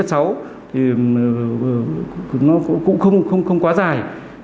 thì nó cũng không quá dài